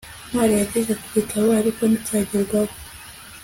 ntwali yageze ku gitabo, ariko nticyagerwaho